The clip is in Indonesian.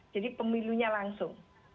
jadi pemilunya langsung